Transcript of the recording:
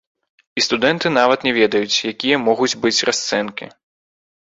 І студэнты нават не ведаюць, якія могуць быць расцэнкі.